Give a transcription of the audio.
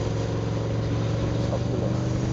চিনি, কিন্তু সবগুলো না।